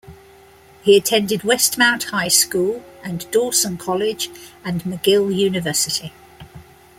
He attended Westmount High School and Dawson College and McGill University.